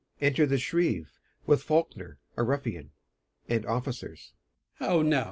[Enter the Shrieve, with Faulkner a ruffian, and Officers.] How now!